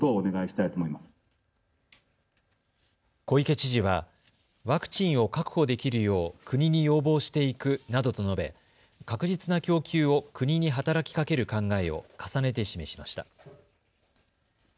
小池知事はワクチンを確保できるよう国に要望していくなどと述べ確実な供給を国に働きかける考えを重ねて示しました。